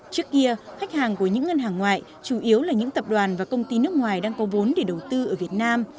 trước kia khách hàng của những ngân hàng ngoại chủ yếu là những tập đoàn và công ty nước ngoài đang có vốn để đầu tư ở việt nam